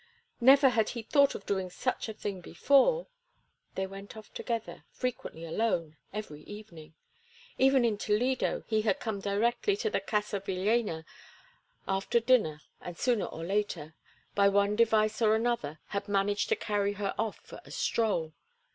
Never had he thought of doing such a thing before; they went off together, frequently alone, every evening. Even in Toledo he had come directly to the Casa Villéna after dinner, and sooner or later, by one device or another, had managed to carry her off for a stroll.